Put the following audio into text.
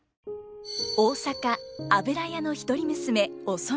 大坂油屋の一人娘お染。